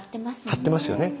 張ってますね。